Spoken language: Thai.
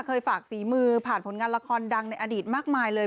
ฝากฝีมือผ่านผลงานละครดังในอดีตมากมายเลย